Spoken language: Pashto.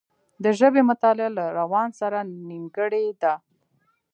د ژبې مطالعه له روان سره نېمګړې ده